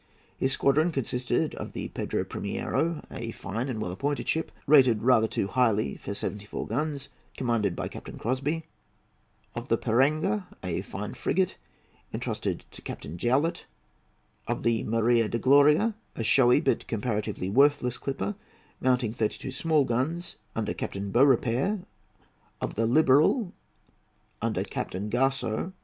His squadron consisted of the Pedro Primiero, a fine and well appointed ship, rated rather too highly for seventy four guns, commanded by Captain Crosbie; of the Piranga, a fine frigate, entrusted to Captain Jowett; of the Maria de Gloria, a showy but comparatively worthless clipper, mounting thirty two small guns, under Captain Beaurepaire; of the Liberal, under Captain Garcaõ.